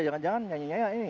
jangan jangan nyanyinya ya ini